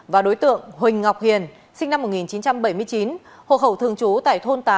và đối tượng huỳnh ngọc hiền sinh năm một nghìn chín trăm bảy mươi chín hộ khẩu thường trú tại thôn tám